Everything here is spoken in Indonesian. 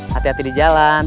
hati hati di jalan